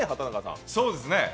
そうですね。